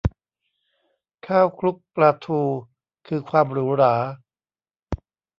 ข้าวคลุกปลาทู คือความหรูหรา